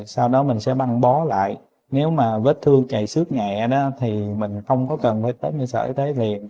sau đó mình sẽ băng bó lại nếu mà vết thương chạy sướt nhẹ thì mình không có cần phải tới sở y tế liền